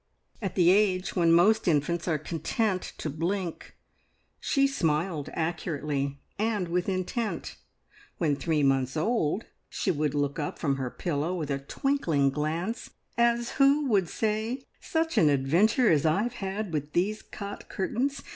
At the age when most infants are content to blink, she smiled accurately and with intent; when three months old she would look up from her pillow with a twinkling glance, as who would say, "Such an adventure as I've had with these cot curtains!